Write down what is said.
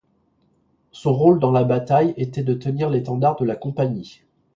Son rôle dans la bataille était de tenir l'étendard de la compagnie.